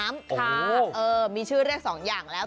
ไข่น้ำค่ะมีชื่อเรียกสองอย่างแล้ว